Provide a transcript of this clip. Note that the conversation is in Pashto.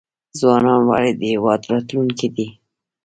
ځوانان ولې د هیواد راتلونکی دی؟